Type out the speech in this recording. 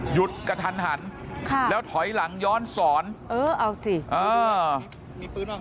หยุดกระทันหันค่ะแล้วถอยหลังย้อนสอนเออเอาสิเออมีปืน